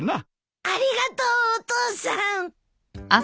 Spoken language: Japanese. ありがとうお父さん！